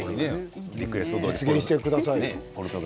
実現してください。